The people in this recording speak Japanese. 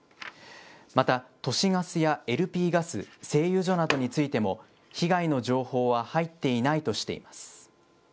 また、都市ガスやＬＰガス、製油所などについても、被害の情報は入っていないとしています。